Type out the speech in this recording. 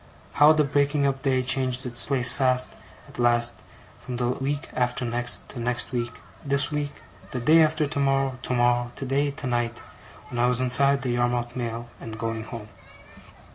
How the breaking up day changed its place fast, at last, from the week after next to next week, this week, the day after tomorrow, tomorrow, today, tonight when I was inside the Yarmouth mail, and going home.